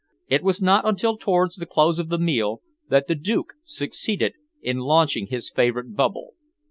It was not until towards the close of the meal that the Duke succeeded in launching his favourite bubble.